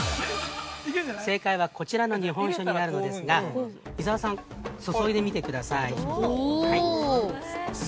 ◆正解は、こちらの日本酒になるのですが、伊沢さん注いでみてください。